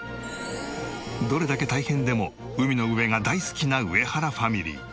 どれだけ大変でも海の上が大好きな上原ファミリー。